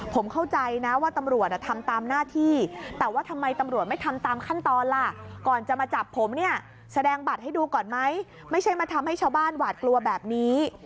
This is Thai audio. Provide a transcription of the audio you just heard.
ผมเข้าใจนะว่าตำรวจทำตามหน้าที่